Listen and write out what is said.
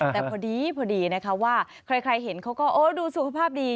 แต่พอดีนะคะว่าใครเห็นเขาก็โอ้ดูสุขภาพดี